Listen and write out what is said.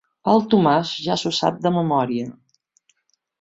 El Tomàs ja s'ho sap de memòria.